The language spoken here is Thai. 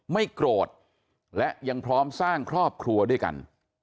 ไม่โกรธและยังพร้อมสร้างครอบครัวด้วยกัน